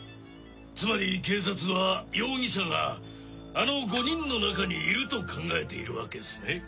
つまり警察は容疑者があの５人の中にいると考えているわけっスね。